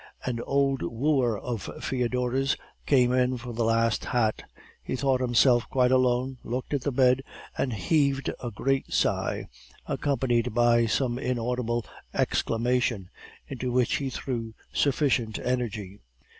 An old wooer of Foedora's came for the last hat; he thought himself quite alone, looked at the bed, and heaved a great sigh, accompanied by some inaudible exclamation, into which he threw sufficient energy.